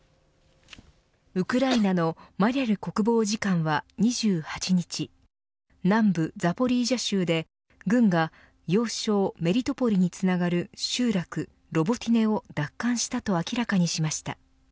ウクライナのマリャル国防次官は２８日南部ザポリージャ州で軍が要衝メリトポリにつながる集落、ロボティネを奪還したと明らかにしました。